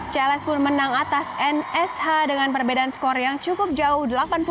ciales pun menang atas nsh dengan perbedaan skor yang cukup jauh delapan puluh tiga empat puluh satu